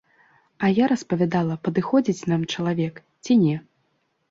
А я распавядала падыходзіць нам чалавек, ці не.